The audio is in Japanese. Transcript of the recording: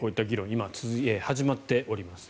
今、始まっております。